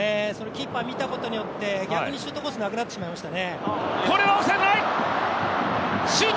キーパーを見たことによって、逆にシュートコースなくなってしまいました。